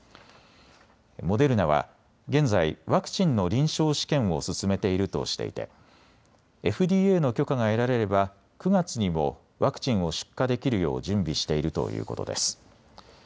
モデルナは現在、ワクチンの臨床試験を進めているとしていてＦＤＡの許可が得られれば９月にもワクチンを出荷できるよう準備しているということです。